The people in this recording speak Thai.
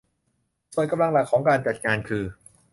ส่วนกำลังหลักของการจัดงานคือ